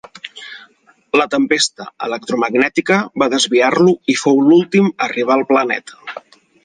La tempesta electromagnètica va desviar-lo i fou l'últim a arribar al planeta.